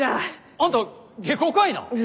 あんた下戸かいな？